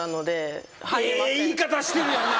ええ言い方してるやんな